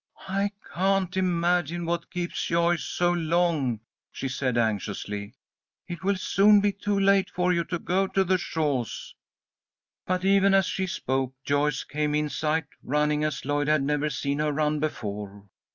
"I can't imagine what keeps Joyce so long," she said, anxiously. "It will soon be too late for you to go to the Shaws." But even as she spoke, Joyce came in sight, running as Lloyd had never seen her run before.